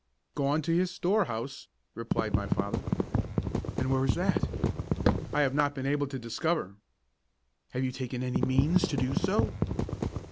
"Gone to his storehouse," replied my father. "And where is that?" "I have not been able to discover." "Have you taken any means to do so?"